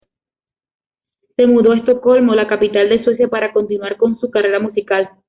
Se mudó a Estocolmo, la capital de Suecia para continuar con su carrera musical.